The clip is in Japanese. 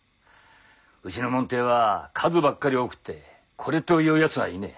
うちの門弟は数ばっかり多くってこれというやつがいねえ。